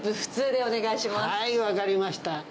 はい、分かりました。